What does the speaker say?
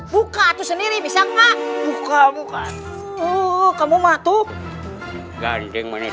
buka tuh sendiri bisa enggak kamu kamu matuk ganteng menit